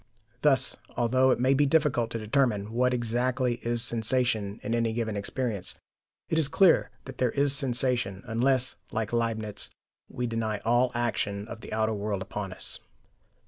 Thus, although it may be difficult to determine what exactly is sensation in any given experience, it is clear that there is sensation, unless, like Leibniz, we deny all action of the outer world upon us.